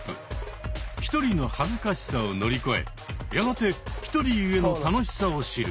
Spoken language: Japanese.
ひとりの恥ずかしさを乗り越えやがてひとりゆえの楽しさを知る。